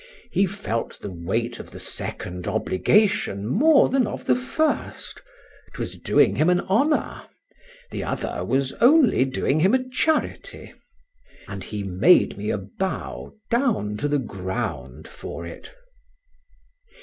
He felt the weight of the second obligation more than of the first,—'twas doing him an honour,—the other was only doing him a charity;—and he made me a bow down to the ground for it.